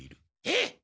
えっ！？